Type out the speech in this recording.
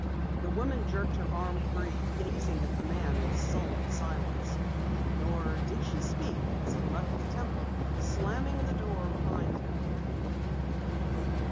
The woman jerked her arm free, gazing at the man in sullen silence. Nor did she speak as he left the Temple, slamming the door behind him.